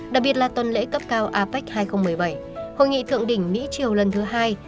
đặc biệt là tuần lễ cấp cao apec hai nghìn một mươi bảy hội nghị thượng đỉnh mỹ triều lần thứ hai